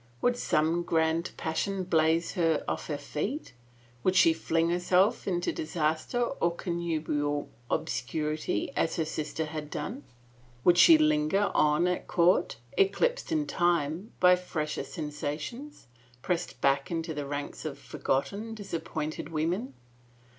Would some grand passion blaze her off her feet — would she fling herself into disaster or connubial obscurity as her sister had done — would she linger on at court, eclipsed in time, by fresher sensations, pressed back into the ranks of forgotten, disappointed women?